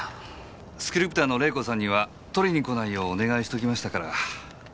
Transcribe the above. スクリプターの玲子さんには取りに来ないようお願いしておきましたから。